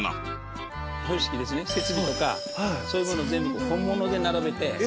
設備とかそういうものは全部本物で並べて。